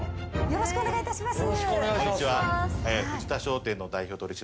よろしくお願いします。